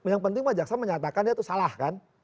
yang penting pak jaksa menyatakan dia itu salah kan